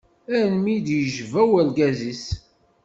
Almi i d-yejba urgaz-is.